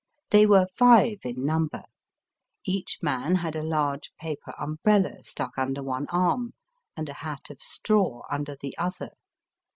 They were five in number. Each man had a large paper umbrella stuck under one arm, and a hat of straw under the other.